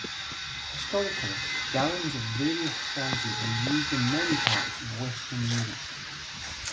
Historically, gallons of various sizes were used in many parts of Western Europe.